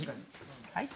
はい。